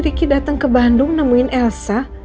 riki dateng ke bandung nemuin elsa